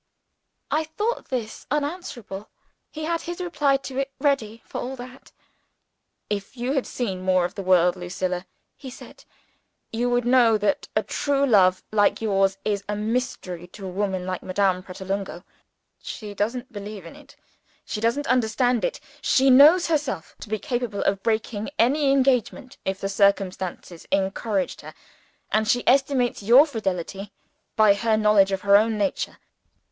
I thought this unanswerable. He had his reply to it ready, for all that. "If you had seen more of the world, Lucilla," he said, "you would know that a true love like yours is a mystery to a woman like Madame Pratolungo. She doesn't believe in it she doesn't understand it. She knows herself to be capable of breaking any engagement, if the circumstances encouraged her and she estimates your fidelity by her knowledge of her own nature.